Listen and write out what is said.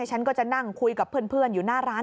ฉันก็จะนั่งคุยกับเพื่อนอยู่หน้าร้าน